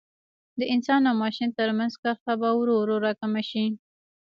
د انسان او ماشین ترمنځ کرښه به ورو ورو را کمه شي.